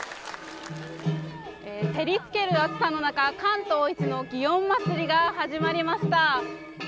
照り付ける暑さの中関東一の祇園祭が始まりました。